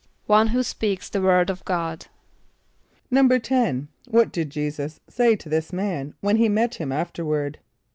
=One who speaks the word of God.= =10.= What did J[=e]´[s+]us say to this man when he met him afterward?